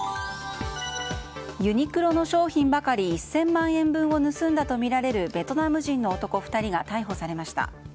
ユニクロの商品ばかり１０００万円分を盗んだとみられるベトナム人の男２人が逮捕されました。